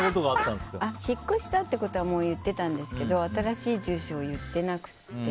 引っ越したってことは言ってたんですけど新しい住所を言ってなくて。